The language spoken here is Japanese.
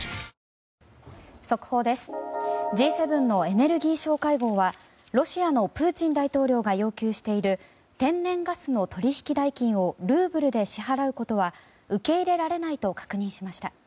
Ｇ７のエネルギー相会合はロシアのプーチン大統領が要求している天然ガスの取引代金をルーブルで支払うことは受け入れられないと確認しました。